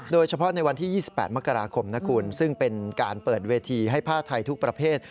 โดยเฉพาะในวันที่๒๘มกราคมนะคุณซึ่งเป็นการเปิดเวทีให้ผ้าไทยทุกประเภท